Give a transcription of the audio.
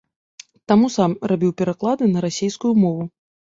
Таму сам рабіў пераклады на расейскую мову.